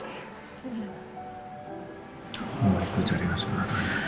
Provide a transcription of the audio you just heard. aku menurutku cari askara